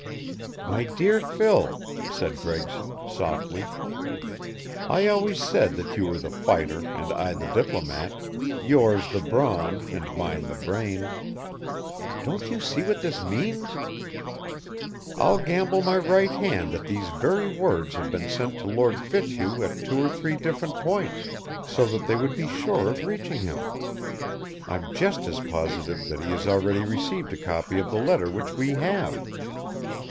"My dear Phil," said Gregson, softly. "I always said that you were the fighter and I the diplomat, yours the brawn and mine the brain. Don't you see what this means? I'll gamble my right hand that these very words have been sent to Lord Fitzhugh at two or three different points, so that they would be sure of reaching him. I'm just as positive that he has already received a copy of the letter which we have.